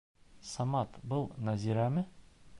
Самат, был Нәзирәме?